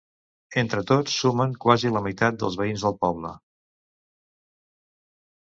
Entre tots sumen quasi la meitat de veïns del poble.